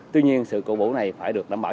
tuy nhiên sự cổ vũ này phải được đảm bảo